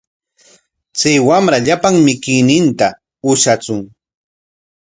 Chay wamra llapan mikuyninta ushatsun.